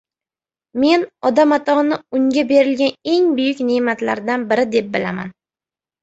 Men Odam Atoni unga berilgan eng buyuk ne'matlardan biri deb bilaman.